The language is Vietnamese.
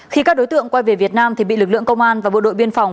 khi các đối tượng quay về việt nam thì bị lực lượng công an và bộ đội biên phòng